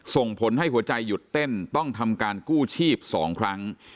ส่งผลให้หัวใจหยุดเต้นต้องทำการกู้ชีพ๒ครั้ง